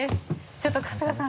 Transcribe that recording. ちょっと春日さん